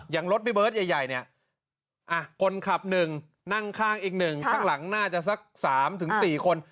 อย่างรถพี่เบิร์ตใหญ่เนี่ยคนขับหนึ่งนั่งข้างอีกหนึ่งข้างหลังน่าจะสัก๓๔คน